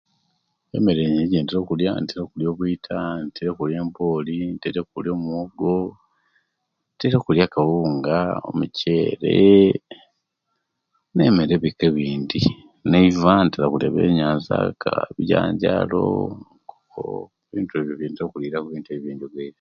Emere nyingi ejje'ntera okulia nteera okulia obwiita nteera okulia emboli ntera okulia omuwogo nteera okulia akawunga omukyere nemere ebika ebindi neiva nteera kulia byenyanza bijanjalo no onkoko bintu ebyo byenteera okuliraku kubintu ebyo ebyenjogeere